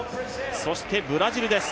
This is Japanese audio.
そしてブラジルです。